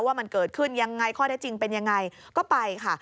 ว่ามันเกิดขึ้นยังไงข้อได้จริงเป็นยังไงก็ไปค่ะ